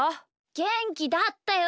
げんきだったよ！